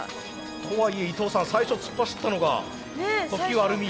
とはいえ伊藤さん最初突っ走ったのが特急あるみ。